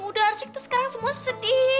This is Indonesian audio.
udah arsya kita sekarang semua sedih